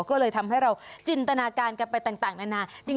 ก็เลยทำให้เราจินตนาการกันไปต่างนานา